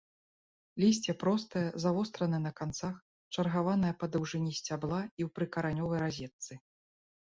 Лісце простае, завостранае на канцах, чаргаванае па даўжыні сцябла і ў прыкаранёвай разетцы.